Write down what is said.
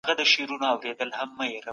زکات د اسلام يو بنسټ دی.